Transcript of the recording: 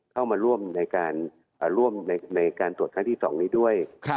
เข้ามาร่วมในการร่วมในการตรวจครั้งที่๒นี้ด้วย